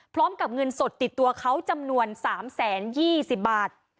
พร้อมกับเงินสดติดตัวเขาจำนวน๓๒๐บาท